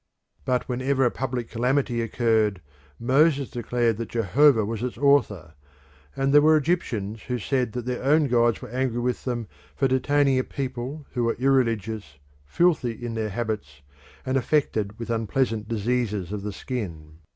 But whenever a public calamity occurred Moses declared that Jehovah was its author, and there were Egyptians who said that their own gods were angry with them for detaining a people who were irreligious, filthy in their habits, and affected with unpleasant diseases of the skin.